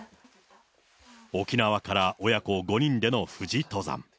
沖縄から親子５人での富士登山。